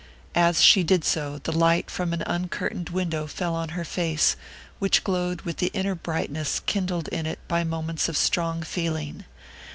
As she did so, the light from an uncurtained window fell on her face, which glowed with the inner brightness kindled in it by moments of strong feeling.